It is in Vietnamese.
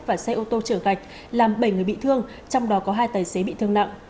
và xe ô tô trở gạch làm bảy người bị thương trong đó có hai tài xế bị thương nặng